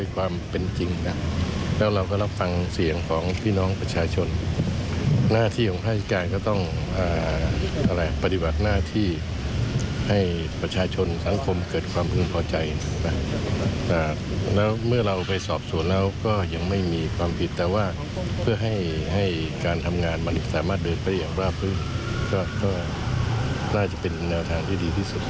ก็จัดได้ดีที่สุด